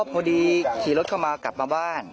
พอดีขี่รถเข้ามากลับมาบ้าน